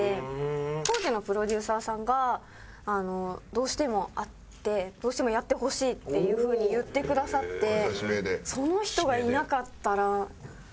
当時のプロデューサーさんがどうしても会ってどうしてもやってほしいというふうに言ってくださって。